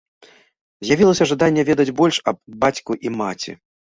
З'явілася жаданне ведаць больш аб бацьку і маці.